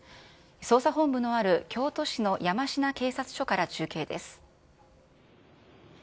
捜査本部のある京都市の山科警察署から中継です。